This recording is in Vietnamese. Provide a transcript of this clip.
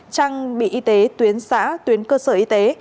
trang bị y tế tuyến xã tuyến cơ sở y tế